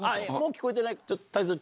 聞こえてない？